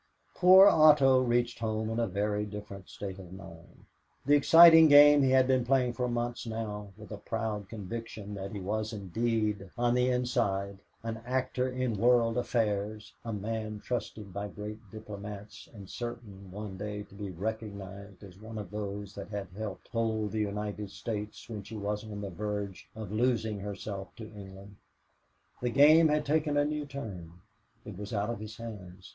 Poor Otto reached home in a very different state of mind. The exciting game he had been playing for months now with a proud conviction that he was indeed on the inside, an actor in world affairs, a man trusted by great diplomats and certain one day to be recognized as one of those that had helped hold the United States when she was on the verge of losing herself to England the game had taken a new turn. It was out of his hands.